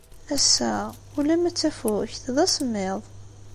Ass-a, ula ma d tafukt, d asemmiḍ.